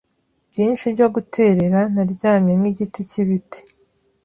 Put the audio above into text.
byinshi byo guterera, naryamye nkigiti cyibiti.